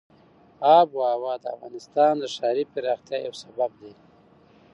آب وهوا د افغانستان د ښاري پراختیا یو سبب دی.